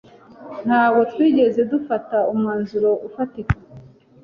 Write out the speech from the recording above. Ntabwo twigeze dufata umwanzuro ufatika.